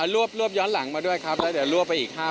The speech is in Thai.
รวบย้อนหลังมาด้วยครับแล้วเดี๋ยวรวบไปอีก๕